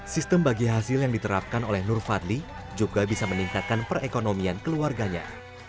sistem bagi hasil yang diterapkan oleh nur fadli juga bisa meningkatkan perekonomian keluarganya